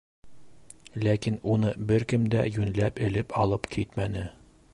Ләкин уны бер кем дә йүнләп элеп алып китмәне.